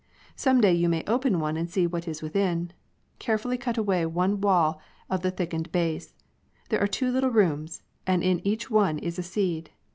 Some day you may open one and see what is within. Care fully cut away one wall of the thickened base. There are two little rooms, and in each one is a seed.